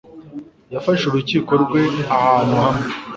Yafashe urukiko rwe ahantu hamwe